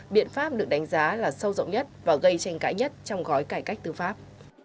biện pháp được đánh giá là sâu rộng nhất và gây tranh cãi nhất trong gói cải cách tư pháp